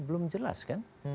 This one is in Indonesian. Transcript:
belum jelas kan